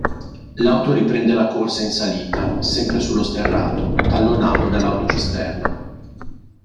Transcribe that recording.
L'auto riprende la corsa in salita, sempre sullo sterrato, tallonato dall'autocisterna.